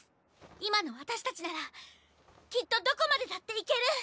今の私たちならきっとどこまでだって行ける。